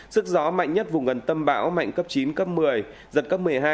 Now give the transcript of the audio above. sức gió mạnh nhất vùng gần tâm bão mạnh cấp chín cấp một mươi giật cấp một mươi hai